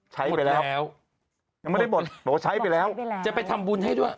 ใช้ไปแล้วยังไม่ได้บ่นบอกว่าใช้ไปแล้วจะไปทำบุญให้ด้วย